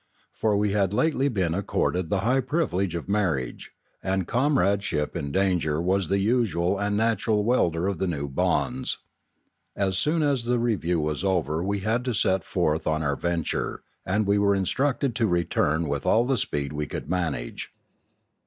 For we had lately been accorded the high privilege of marriage, and comradeship in danger was the usual and natural welder of the new bonds. As soon as the review was over we had to set forth on our venture, and we were instructed to return with all the speed we could manage.